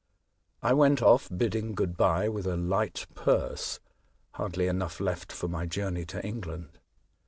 I went off, bidding good bye, with a light purse, — hardly enough left for my journey to England.